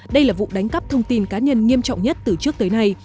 đây là vụ đánh cắp thông tin cá nhân nghiêm trọng nhất từ trước tới nay